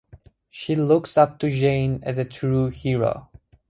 She looks up to Jane as a true hero.